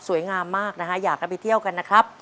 งามมากนะฮะอยากจะไปเที่ยวกันนะครับ